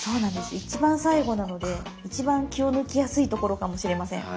一番最後なので一番気を抜きやすいところかもしれません。